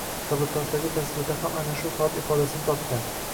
Qabrtoshdagi tasvirda ham ana shu holat ifodasini topgan